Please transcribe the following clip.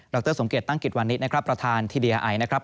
ดรสงเกตตั้งกิจวันนี้นะครับ